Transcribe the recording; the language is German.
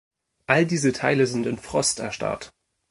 All diese Teile sind in Frost erstarrt.